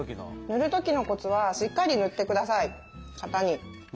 塗る時のコツはしっかり塗ってください型に。